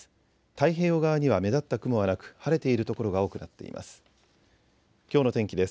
太平洋側には目立った雲はなく晴れている所が多くなっています。